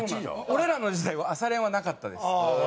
俺らの時代は朝練はなかったです。